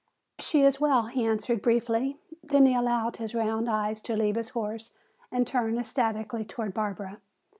"She is well," he answered briefly. Then he allowed his round eyes to leave his horse and turn ecstatically toward Barbara.